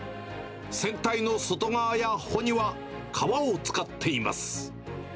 船体の外側や帆には、皮を使っています。